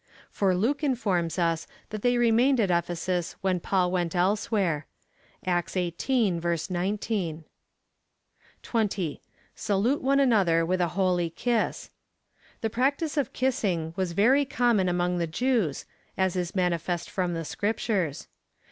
For Luke informs us, that they remained at Ephesus, when Paul went else where. (Acts xviii. 19.) 20. Salute one another with a holy kiss. The practice of kissing was very common among the Jews, as is manifest from the Scriptures.